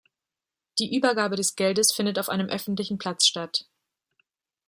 Die Übergabe des Geldes findet auf einem öffentlichen Platz statt.